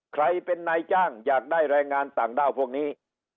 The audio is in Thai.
ใครเป็นนายจ้างอยากได้แรงงานต่างด้าวพวกนี้